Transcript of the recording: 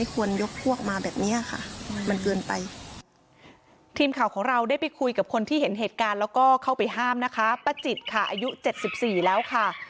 ค่ะมาจอดรถและด่าทุกวัน